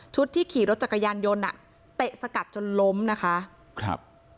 ชุดที่ขี่รถจักรยานยนต์เตะสกัดจนล้มนะคะ